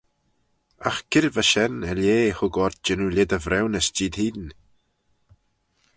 Agh c'red va shen er lheh hug ort jannoo lhied y vriwnys jeed hene?